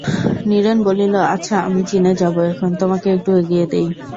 নীরেন বলিল, আচ্ছা, আমি চিনে যাবো এখন, তোমাকে একটু এগিয়ে দিই।